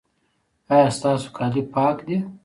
ایا ستاسو کالي پاک دي؟